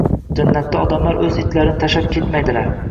Jannatda odamlar o‘z itlarini tashlab ketmaydilar